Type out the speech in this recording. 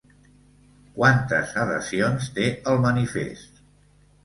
Quantes adhesions té el manifest?